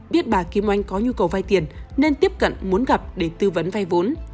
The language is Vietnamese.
biết bà kim oanh có nhu cầu vai tiền nên tiếp cận muốn gặp để tư vấn vai vốn